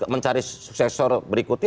mencari suksesor berikutnya